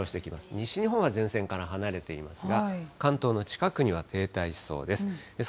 西日本は前線から離れていますが、関東の近くには停滞しそうです。